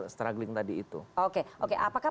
struggling tadi itu oke oke apakah